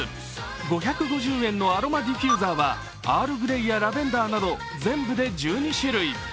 ５５０円のアロマディフューザーはアールグレイやラベンダーなど全部で１２種類。